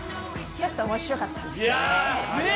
ちょっと面白かったね